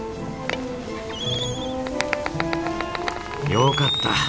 よかった。